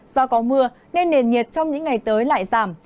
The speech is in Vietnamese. do có mưa nên nền nhiệt trong những ngày tới lại giảm